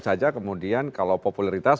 saja kemudian kalau popularitas